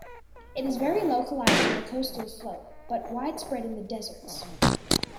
It is very localized on the coastal slope, but widespread in the deserts.